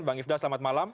bang ifdal selamat malam